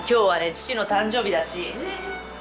父の誕生日だしえっ⁉